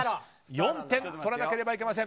４点取らなければいけません。